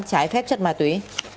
trái phép chất ma túy